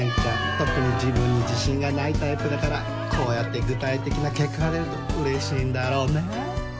特に自分に自信がないタイプだからこうやって具体的な結果が出ると嬉しいんだろうね